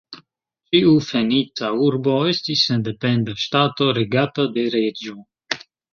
Ĉiu Fenica urbo estis sendependa ŝtato regata de reĝo.